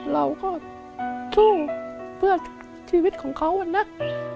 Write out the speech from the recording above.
เราก็สู้เพื่อชีวิตของเขานะ